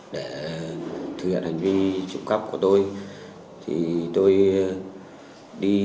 để thực hiện hành vi trộm cắp của tôi thì tôi đi